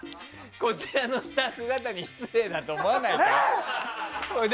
こちらのスタッフ方に失礼だと思わないか？